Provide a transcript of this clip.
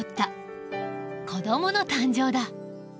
子どもの誕生だ。